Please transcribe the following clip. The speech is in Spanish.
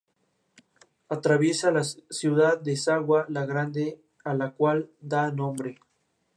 Aunque el violonchelo es su pasión, la decisión le inquieta desde hace semanas.